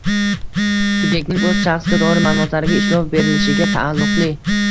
subyektning o‘z shaxsga doir ma’lumotlariga ishlov berilishiga taalluqli